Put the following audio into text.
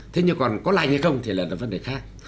thế nhưng còn có lành hay không thì lại là vấn đề khác